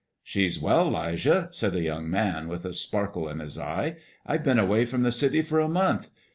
"She's well, 'Lijah," said the young man, with a sparkle in his eye. "I've been away from the city for a month.